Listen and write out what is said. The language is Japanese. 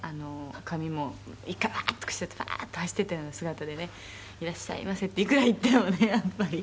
「髪もガーッととかしてバーッと走ってたような姿でね“いらっしゃいませ”っていくら言ってもねやっぱり」